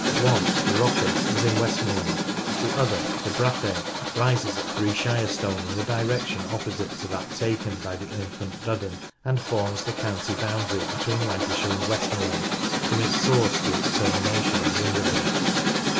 One, the Rothay, is in Westmorland; the other, the Brathay, rises at Three Shire Stone in the direction opposite to that taken by the infant Duddon, and forms the county boundary between Lancashire and Westmorland from its source to its termination in Windermere.